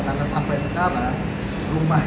karena sampai sekarang rumah